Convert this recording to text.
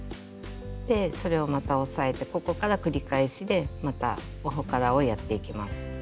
それをまた押さえてここから繰り返しでまたオホカラをやっていきます。